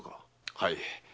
はい。